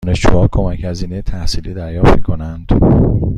دانشجوها کمک هزینه تحصیلی دریافت می کنند؟